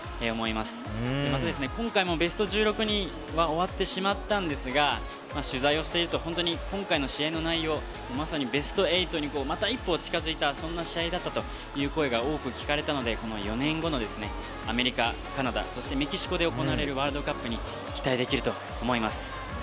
また、今回もベスト１６で終わってしまったんですが取材をしていると本当に今回の試合の内容まさにベスト８にまた一歩近づいたそんな試合だったという声が多く聞かれたので４年後のアメリカ、カナダそしてメキシコで行われるワールドカップに期待できると思います。